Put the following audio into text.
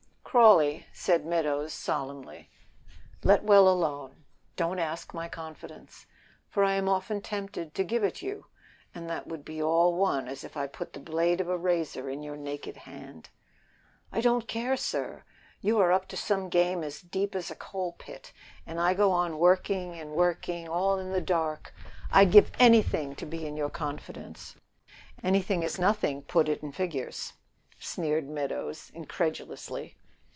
"Crawley," said Meadows, solemnly, "let well alone. Don't ask my confidence, for I am often tempted to give it you, and that would be all one as if I put the blade of a razor in your naked hand." "I don't care, sir! You are up to some game as deep as a coal pit; and I go on working and working all in the dark. I'd give anything to be in your confidence." "Anything is nothing; put it in figures," sneered Meadows, incredulously.